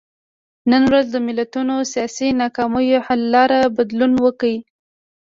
نن ورځ د ملتونو سیاسي ناکامیو حل لاره بدلون وکړي.